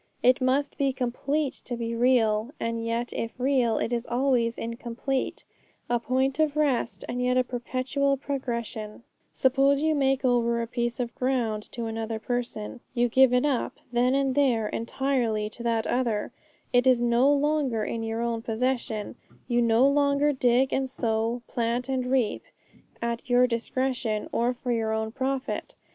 It must be complete to be real, and yet if real, it is always incomplete; a point of rest, and yet a perpetual progression. Suppose you make over a piece of ground to another person. You give it up, then and there, entirely to that other; it is no longer in your own possession; you no longer dig and sow, plant and reap, at your discretion or for your own profit.